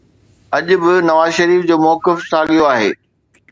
اڄ به نواز شريف جو موقف ساڳيو آهي